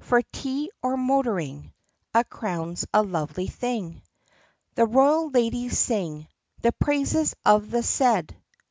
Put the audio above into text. For tea or motoring A crown's a lovely thing. The royal ladies sing The praises of the said.